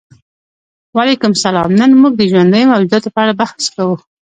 وعلیکم السلام نن موږ د ژوندیو موجوداتو په اړه بحث کوو